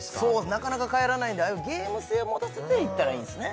なかなか帰らないんでああいうゲーム性を持たせていったらいいんですね